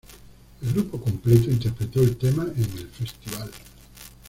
El grupo completo interpretó el tema en el festival.